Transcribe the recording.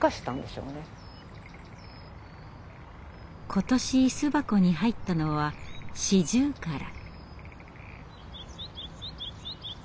今年巣箱に入ったのはシジュウカラ。